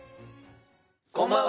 こんばんは。